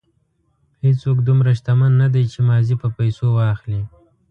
هېڅوک دومره شتمن نه دی چې ماضي په پیسو واخلي.